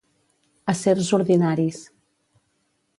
Acers ordinaris.